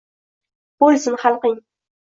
Bo’lsin xalqing